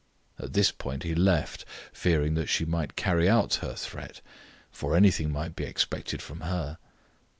At this point he left, fearing that she might carry out her threat, for anything might be expected from her.